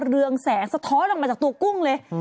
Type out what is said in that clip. เรืองแสงสะท้อนออกมาจากตัวกุ้งเลย